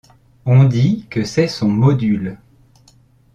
On dit que c'est son module.